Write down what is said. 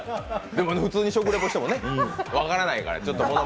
でも普通に食リポしても分からないから。